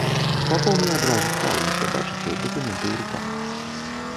З папом я адразу спраўлюся, бачыце, дакументы ў руках.